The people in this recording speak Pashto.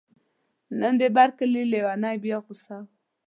نن د بر کلي لیونی بیا غوصه و.